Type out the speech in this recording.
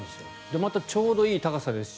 またちょうどいい高さですし。